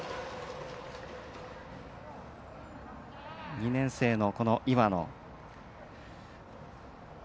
２年生の岩野。